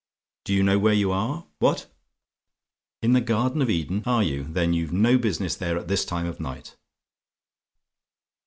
Do you know where you are? What? "IN THE GARDEN OF EDEN? "Are you? Then you've no business there at this time of night."